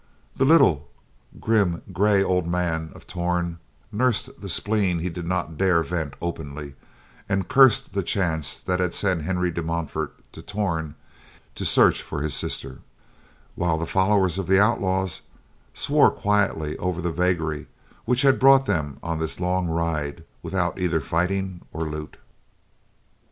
The little, grim, gray, old man of Torn nursed the spleen he did not dare vent openly, and cursed the chance that had sent Henry de Montfort to Torn to search for his sister; while the followers of the outlaw swore quietly over the vagary which had brought them on this long ride without either fighting or loot.